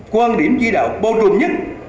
quan điểm chỉ đạo bô trùn nhất